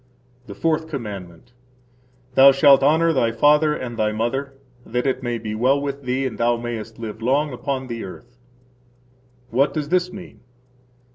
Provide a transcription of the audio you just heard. The Fourth Commandment. Thou shalt honor thy father and thy mother [that it may be well with thee and thou mayest live long upon the earth]. What does this mean?